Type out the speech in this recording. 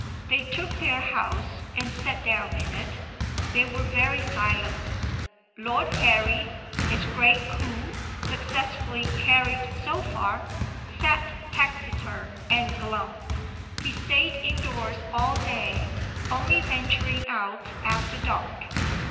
They took their house, and sat down in it. They were very silent. Lord Harry, his great coup successfully carried so far, sat taciturn and glum. He stayed indoors all day, only venturing out after dark.